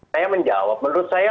saya menjawab menurut saya